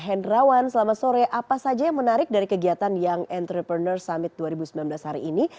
hendrawan selamat sore apa saja yang menarik dari kegiatan young entrepreneur summit dua ribu sembilan belas hari ini